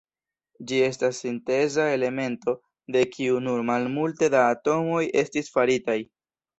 Ĝi estas sinteza elemento, de kiu nur malmulte da atomoj estis faritaj.